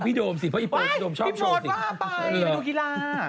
พี่โดมว่าไปไปดูกีฬา